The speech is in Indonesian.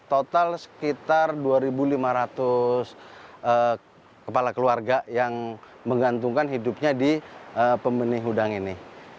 total sekitar dua lima ratus kepala keluarga yang menggantungkan hidupnya di pembenih udang ini